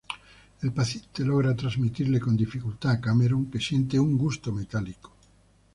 El paciente logra transmitirle con dificultad a Cameron que siente un gusto metálico.